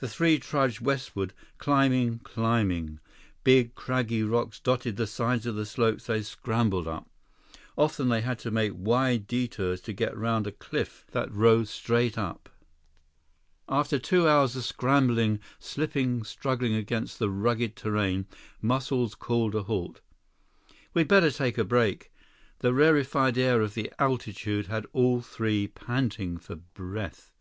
The three trudged westward, climbing, climbing. Big, craggy rocks dotted the sides of the slopes they scrambled up. Often they had to make wide detours to get around a cliff that rose straight up. After two hours of scrambling, slipping, struggling against the rugged terrain, Muscles called a halt. "We'd better take a break." The rarefied air of the altitude had all three panting for breath.